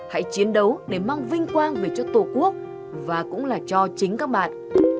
hãy chiến đấu để mang vinh quang về cho tổ quốc và cũng là cho chính các bạn